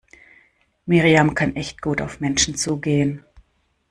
Miriam kann echt gut auf Menschen zugehen.